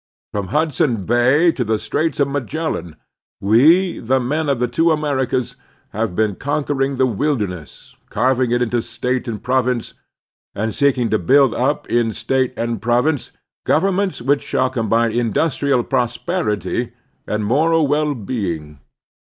From Hudson Bay to the Straits of Magellan, we, the men of the two Americas, have been con quering the wilderness, carving it into state and province, and seeking to build up in state and province governments which shall combine indus trial prosperity and moral well being.